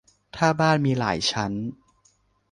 ถ้าบ้านมีหลายชั้น